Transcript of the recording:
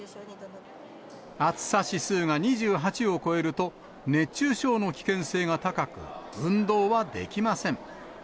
暑さ指数が２８を超えると、熱中症の危険性が高く、運動はできません。